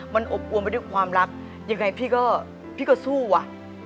มันอบอวนไปด้วยความรักยังไงพี่ก็พี่ก็สู้ว่ะ